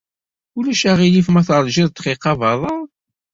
Ulac aɣilif ma teṛjiḍ ddqiqa beṛṛa?